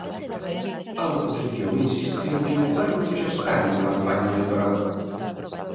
A oposición insiste en que o Goberno xa está en campaña electoral.